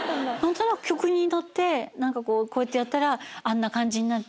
曲に乗ってこうやってやったらあんな感じになって。